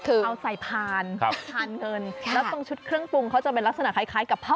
เอาใส่พานพานเงินแล้วตรงชุดเครื่องปรุงเขาจะเป็นลักษณะคล้ายกับผ้า